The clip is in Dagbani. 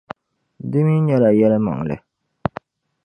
Di mi nyɛla yɛlimaŋli.